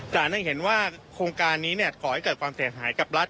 ศาลก็เห็นว่าโครงการนี้เนี่ยก่อให้เกิดความเสี่ยงหายกับรัฐ